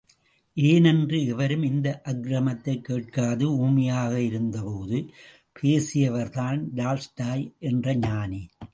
ஏனென்று எவரும் இந்த அக்ரமத்தைக் கேட்காது ஊமையாக இருந்தபோது பேசியவர்தான் டால்ஸ்டாய் என்ற ஞானி!